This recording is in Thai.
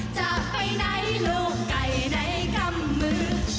จะไปไหนลูกไก่ในกล้ามมือ